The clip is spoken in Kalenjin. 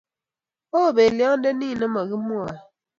Oo pelyondo nin ne mokimwoey.